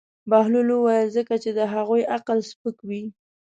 بهلول وویل: ځکه چې د هغوی عقل سپک وي.